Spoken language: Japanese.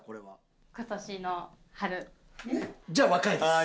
じゃあ若いです。